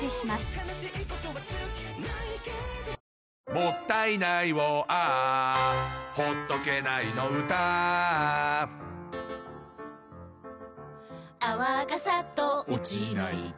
「もったいないをＡｈ」「ほっとけないの唄Ａｈ」「泡がサッと落ちないと」